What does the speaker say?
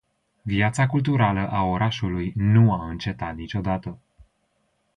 Viața culturală a orașului nu a încetat niciodată.